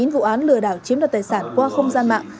chín vụ án lừa đảo chiếm đoạt tài sản qua không gian mạng